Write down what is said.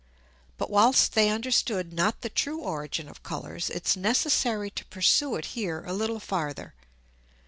But whilst they understood not the true Origin of Colours, it's necessary to pursue it here a little farther.